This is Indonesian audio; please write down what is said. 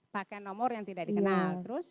pakai nomor yang tidak dikenal terus